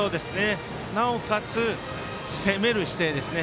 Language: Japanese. なおかつ攻める姿勢ですね。